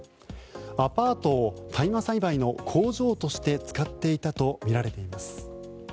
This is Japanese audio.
アパートを大麻栽培の工場として使っていたとみられています。